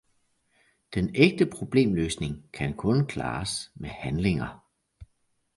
Den ægte problemløsning kan kun klares med handlinger.